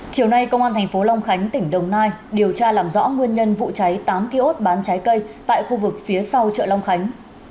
chiều nay công an thành phố long khánh tỉnh đồng nai điều tra làm rõ nguyên nhân vụ cháy tám kiosk bán trái cây tại khu vực phía sau chợ long khánh